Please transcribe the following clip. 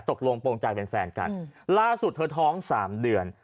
ตกลงโปรงใจเป็นแฟนกันล่าสุดเธอท้องสามเดือน